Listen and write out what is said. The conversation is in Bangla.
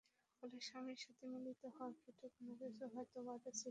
ফলে স্বামীর সাথে মিলিত হওয়ার ক্ষেত্রে কোন কিছু হয়তো বাধা সৃষ্টি করবে।